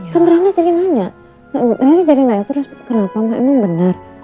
kan rina jadi nanya rina jadi nanya kenapa emang benar